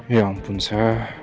ya ampun sa